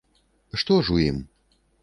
Што ж у ім?